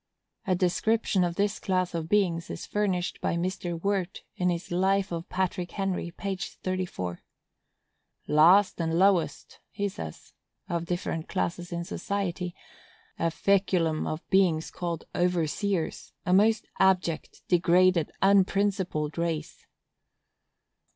A description of this class of beings is furnished by Mr. Wirt, in his Life of Patrick Henry, page 34. "Last and lowest," he says, [of different classes in society] "a feculum of beings called overseers,—a most abject, degraded, unprincipled race."